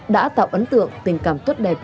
đã tạo ấn tượng tình cảm tốt đẹp